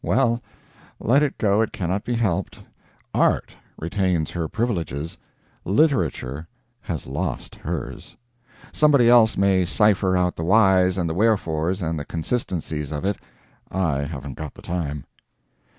Well, let it go, it cannot be helped; Art retains her privileges, Literature has lost hers. Somebody else may cipher out the whys and the wherefores and the consistencies of it I haven't got time.